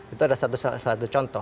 itu adalah satu contoh